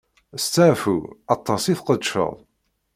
Steɛfu aṭas i tqedceḍ.